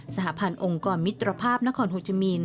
สหพันธ์องค์กรมิตรภาพนครโฮจิมีน